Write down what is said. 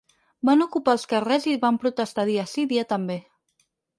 Van ocupar els carrers i van protestar dia sí i dia també.